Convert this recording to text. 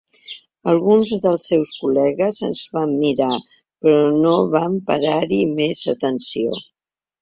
Alguns dels seus col·legues ens van mirar, però no van parar-hi més atenció.